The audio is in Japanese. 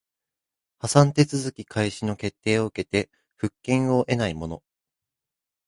破産手続開始の決定を受けて復権を得ない者